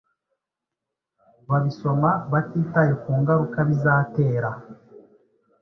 babisoma batitaye kungaruka bizatere